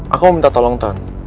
aku minta tolong tan